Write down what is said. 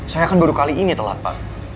saya kan baru kali ini telat pak